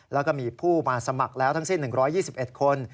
แล้วก็มีผู้มาสมัครแล้วทั้งสิ้น๑๒๑คน